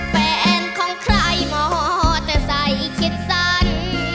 แฟนของใครมอเตอร์ไซค์คิดสั้น